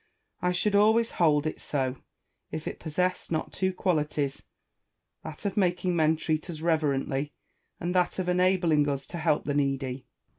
I should always hold it so, if it possessed not two qualities : that of making men treat us reverently, and that of enabling us to help the needy.